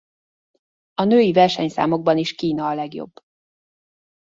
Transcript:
A női versenyszámokban is Kína a legjobb.